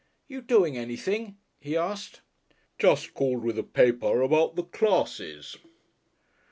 "You doing anything?" he asked. "Just called with a papah about the classes."